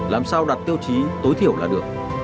làm sao đặt tiêu chí tối thiểu là được